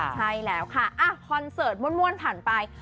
ใช่แล้วค่ะคอนเสิร์ตม่วนผ่านไป